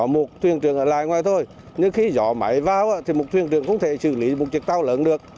một thuyền trưởng ở lại ngoài thôi nhưng khi gió máy vào thì một thuyền trưởng không thể xử lý một chiếc tàu lớn được